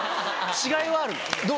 違いはある！